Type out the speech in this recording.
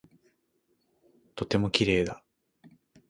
とても綺麗だ。